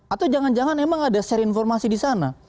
atau jangan jangan emang ada seri informasi di sana